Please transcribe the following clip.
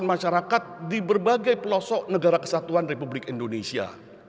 masyarakat di berbagai pelosok negara kesatuan republik indonesia